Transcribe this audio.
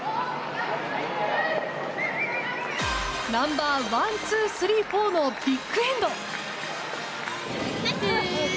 ナンバーワン、ツー、スリーフォーのビッグエンド！